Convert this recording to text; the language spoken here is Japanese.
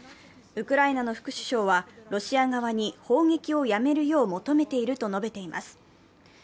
ウクライナの副首相は、ロシア側に砲撃をやめるよう求めていると述べています。